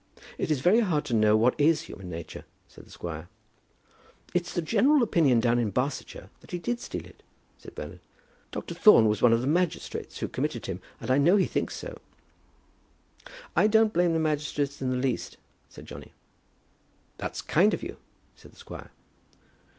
"It is very hard to know what is human nature," said the squire. "It's the general opinion down in Barsetshire that he did steal it," said Bernard. "Dr. Thorne was one of the magistrates who committed him, and I know he thinks so." "I don't blame the magistrates in the least," said Johnny. "That's kind of you," said the squire.